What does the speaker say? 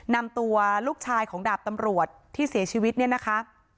นำตัวลูกชายของดาบตำรวจที่เสียชีวิตเนี่ยนะคะ